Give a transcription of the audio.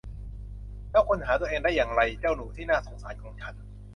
แล้วคุณหาตัวเองได้อย่างไร เจ้าหนูที่น่าสงสารของฉัน